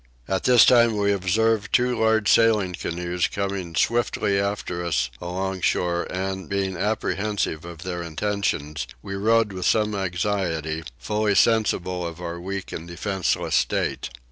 At this time we observed two large sailing canoes coming swiftly after us along shore and, being apprehensive of their intentions, we rowed with some anxiety, fully sensible of our weak and defenceless state.